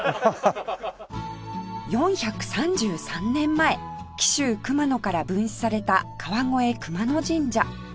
４３３年前紀州熊野から分祀された川越熊野神社